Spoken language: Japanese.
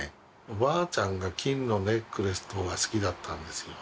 おばあちゃんが金のネックレス等が好きだったんですよ